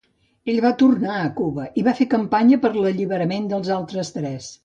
Ell va tornar a Cuba i va fer campanya per l'alliberament dels altres tres.